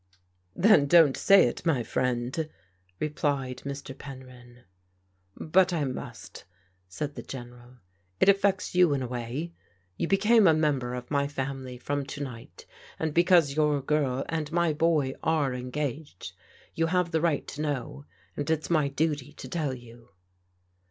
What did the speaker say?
"Then don't say it, my friend," replied Mr. Pen ryn. " But I must," said the General. " It affects you in a way. You became a member of my family from to night, and because your girl and my boy are engaged you have the right to know, and it's my duty to tell you."